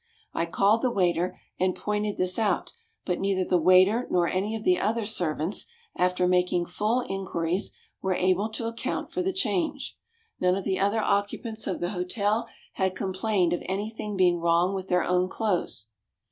I called the waiter and pointed this out, but neither the waiter nor any of the other servants, after making full enquiries, were able to account for the change. None of the other occupants of the hotel had complained of anything being wrong with their own clothes.